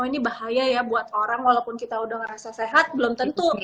ini bahaya ya buat orang walaupun kita udah ngerasa sehat belum tentu